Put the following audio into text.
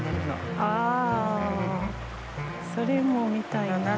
ああそれも見たいな。